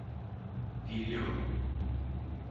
Dinliyor.